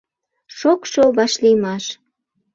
Шокшо вашлиймаш.